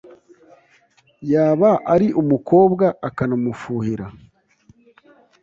yaba ari umukobwa akanamufuhira